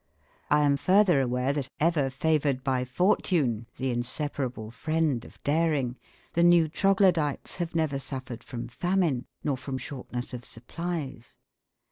I am further aware that ever favoured by fortune, the inseparable friend of daring, the new Troglodytes have never suffered from famine, nor from shortness of supplies.